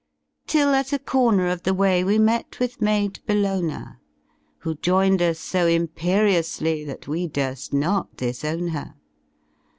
Till at a corner of the way We met with maid Bellona, Who joined lis so imperiously That we durfl not disown her.